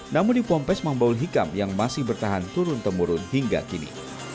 namun di pompes mambaul hikam yang masih bertahan turun temurun hingga kini